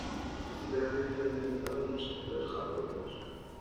Anteriormente, había militado en los sectores jacobinos.